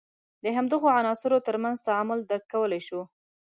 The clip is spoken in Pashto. د همدغو عناصر تر منځ تعامل درک کولای شو.